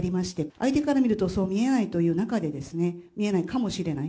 相手から見ると、そう見えないという中で、見えないかもしれない。